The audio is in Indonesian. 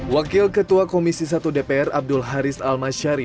wakil ketua komisi satu dpr abdul haris almasyari